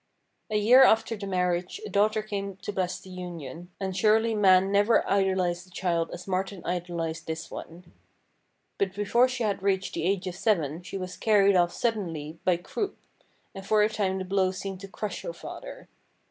A year after the marriage a daughter came to bless the union, and surely man never idolised a child as Martin idolised this one. But before she had reached the age of seven she was carried off suddenly by croup, and for a time the blow seemed to crush her father.